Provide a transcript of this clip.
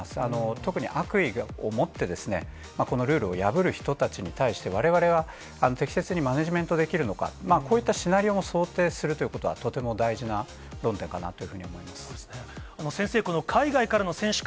特に悪意をもってですね、このルールを破る人たちに対して、われわれは適切にマネジメントできるのか、こういったシナリオも想定するということは、とても大事な論点かなというふうに思います。